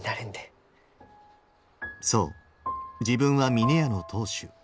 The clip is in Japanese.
そう自分は峰屋の当主。